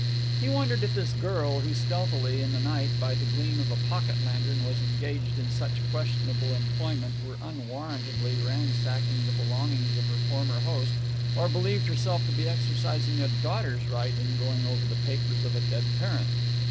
He wondered if this girl, who stealthily, in the night, by the gleam of a pocket lantern, was engaged in such questionable employment, were unwarrantably ransacking the belongings of her former host, or believed herself to be exercising a daughter's right in going over the papers of a dead parent.